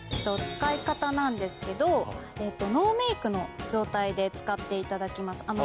使い方なんですけどノーメイクの状態で使って頂きます。